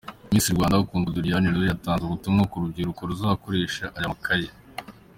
Miss Rwanda Kundwa Doriane nawe yatanze ubutumwa ku rubyiruko ruzakoresha aya makaye.